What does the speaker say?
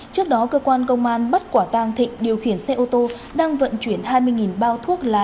trước đó cơ quan công an bắt quả tang thịnh điều khiển xe ô tô đang vận chuyển hai mươi bao thuốc lá